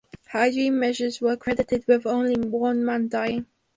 Hygiene measures were credited with only one man dying.